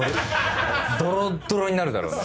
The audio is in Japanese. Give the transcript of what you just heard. ドロッドロになるだろうね。